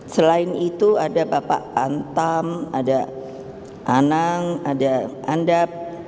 selain itu ada bapak antam ada anang ada andap